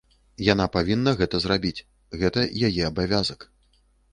Яна павінна гэта зрабіць, гэта яе абавязак.